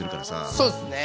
そうですね。